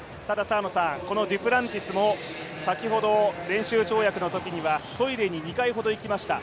このデュプランティスも先ほど練習跳躍のときにはトイレに２回ほど行きました。